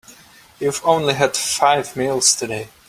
You've only had five meals today.